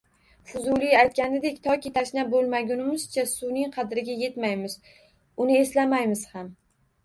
Fuzuliy aytganidek, toki tashna bo‘lmagunimizcha suvning qadriga yetmaymiz, uni eslamaymiz ham